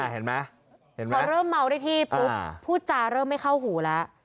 พอเริ่มเมาได้ที่พูดจาเริ่มไม่เข้าหูแล้ว